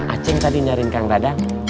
acing tadi nyariin kang dadang